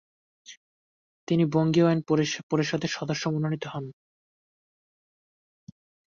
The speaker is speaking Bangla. তিনি বঙ্গীয় আইন পরিষদের সদস্য মনোনীত হন।